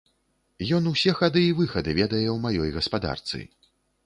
Ён усе хады і выхады ведае ў маёй гаспадарцы.